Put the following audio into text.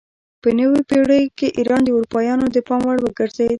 په نویو پیړیو کې ایران د اروپایانو د پام وړ وګرځید.